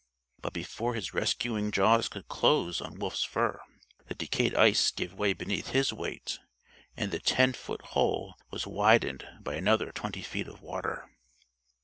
But before his rescuing jaws could close on Wolf's fur, the decayed ice gave way beneath his weight, and the ten foot hole was widened by another twenty feet of water.